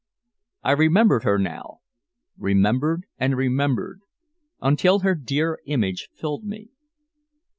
I remembered her now remembered and remembered until her dear image filled me.